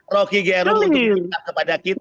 roki gerung untuk minta maaf kepada kita